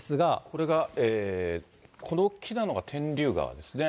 これが、この大きなのが天竜川ですね。